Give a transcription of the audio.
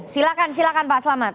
silakan silakan pak selamat